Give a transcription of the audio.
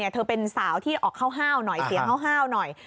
เธอเป็นสาวที่ออกห้าวหน่อยเสียงห้าวหน่อย